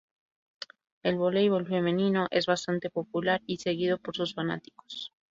El voleibol femenino es bastante popular y seguido por sus fanáticos.